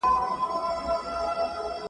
ځينو خلګو ته کوچنۍ ستونزې خورا غټې ښکاري.